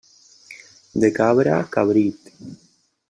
De cabra, cabrit.